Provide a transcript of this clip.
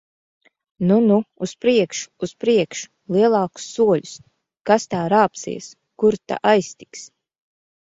Nu, nu! Uz priekšu! Uz priekšu! Lielākus soļus! Kas tā rāpsies! Kur ta aiztiks!